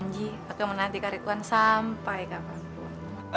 nji aku mau nanti ke ridwan sampai kapanpun